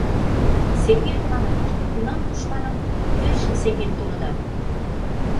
Сергей Романович, кунам тушманым йӧршын сеҥен толыда?